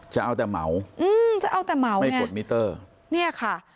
จะเอาแต่เหมาอืมจะเอาแต่เหมาไม่กดมิเตอร์เนี่ยค่ะ